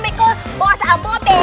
nggak mau berang